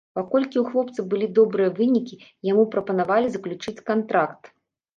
Паколькі ў хлопца былі добрыя вынікі, яму прапанавалі заключыць кантракт.